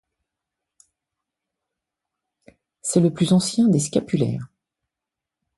C’est le plus ancien des scapulaires.